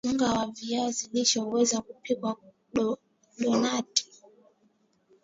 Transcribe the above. unga wa viazi lishe huweza kupikwa donati